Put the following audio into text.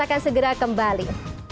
akan segera kembali